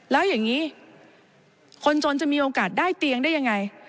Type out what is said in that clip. แล้วอย่างนี้คนจนจะมีโอกาสได้เตียงได้ยังไง